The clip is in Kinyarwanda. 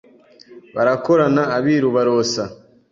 Barakorana Abiru barosa